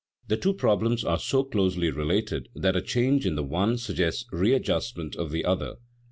The two problems are so closely related that a change in the one suggests readjustment of the other.